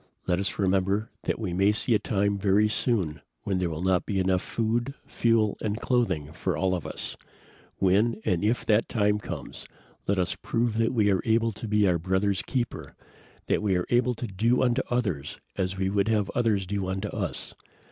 Let us remember that we may see a time very soon when there will not be enough food, fuel and clothing for all of us. When and if that time comes, let us prove that we are able to be our brother's keeper, that we are able to do unto others as we would have others do unto us.